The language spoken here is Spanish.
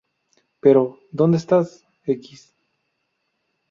Pero... ¿Dónde está x?